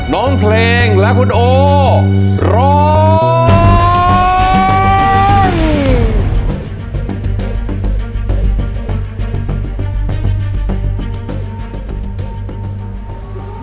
น้องเพลงและคุณโอร้อง